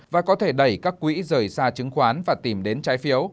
và có thể đẩy các quỹ rời xa chứng khoán và tìm đến trái phiếu